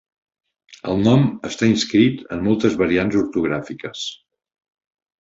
El nom està inscrit en moltes variants ortogràfiques.